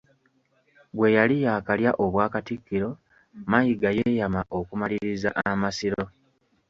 Bwe yali yaakalya Obwakatikkiro, Mayiga yeeyama okumaliriza Amasiro